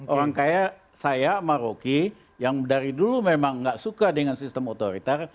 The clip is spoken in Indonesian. orang kaya saya maroki yang dari dulu memang nggak suka dengan sistem otoriter